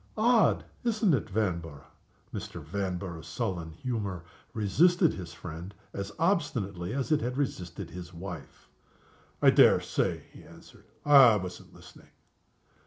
Odd isn't it, Vanborough?" Mr. Vanborough's sullen humor resisted his friend as obstinately as it had resisted his wife. "I dare say," he answered. "I wasn't listening."